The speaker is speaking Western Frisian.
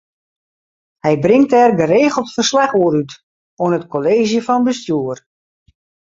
Hy bringt dêr geregeld ferslach oer út oan it Kolleezje fan Bestjoer.